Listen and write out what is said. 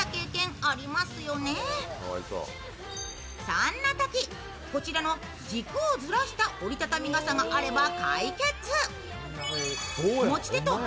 そんなときこちらの軸をずらした折り畳み傘があれば解決。